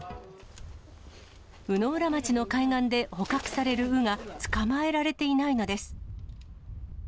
鵜浦町の海岸で捕獲される鵜が捕まえられていないのです。